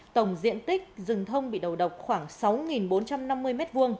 tổng diện tích rừng thông bị đầu độc khoảng sáu bốn trăm năm mươi m hai